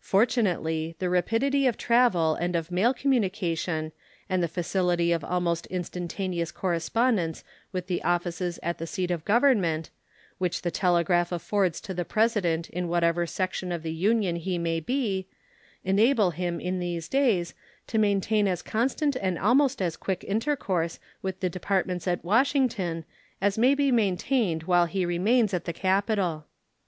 Fortunately, the rapidity of travel and of mail communication and the facility of almost instantaneous correspondence with the offices at the seat of Government, which the telegraph affords to the President in whatever section of the Union he may be, enable him in these days to maintain as constant and almost as quick intercourse with the Departments at Washington as may be maintained while he remains at the capital.